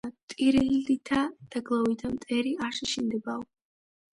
ტირილითა და გლოვითა მტერი არ შეშინდებაო